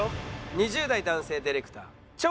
２０代男性ディレクター「超いいね」。